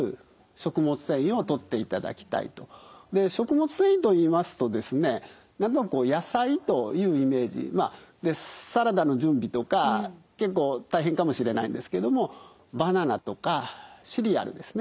で食物繊維といいますとですね何となくこう野菜というイメージまあサラダの準備とか結構大変かもしれないんですけどもバナナとかシリアルですね